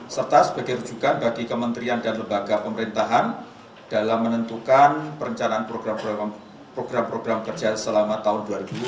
serta sebagai rujukan bagi kementerian dan lembaga pemerintahan dalam menentukan perencanaan program program kerja selama tahun dua ribu dua puluh